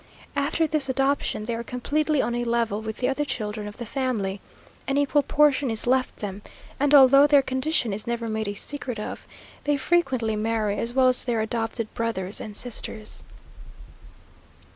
After this adoption, they are completely on a level with the other children of the family an equal portion is left them, and although their condition is never made a secret of, they frequently marry as well as their adopted brothers and sisters.